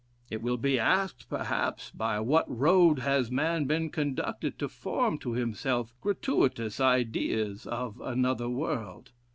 "It will be asked, perhaps, by what road has man been conducted to form to himself gratuitous ideas of another world.